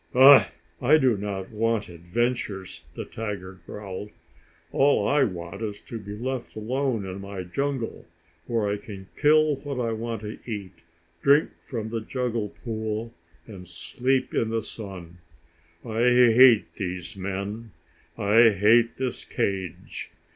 "Bah! I do not want adventures!" the tiger growled. "All I want is to be left alone in my jungle, where I can kill what I want to eat, drink from the jungle pool, and sleep in the sun. I hate these men! I hate this cage!